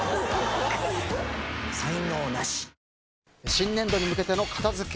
⁉新年度に向けて片付け。